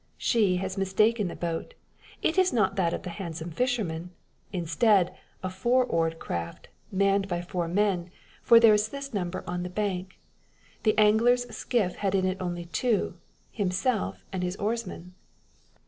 She has mistaken the boat; it is not that of the handsome fisherman! Instead, a four oared craft, manned by four men, for there is this number on the bank. The anglers skiff had in it only two himself and his oarsman.